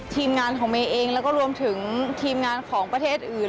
ทีมงานของเมย์เองแล้วก็รวมถึงทีมงานของประเทศอื่น